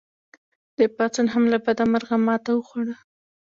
دې پاڅون هم له بده مرغه ماته وخوړه.